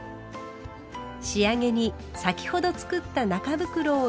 仕上げに先ほど作った中袋を入れれば完成です。